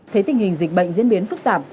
thế tình hình dịch bệnh diễn biến phức tạp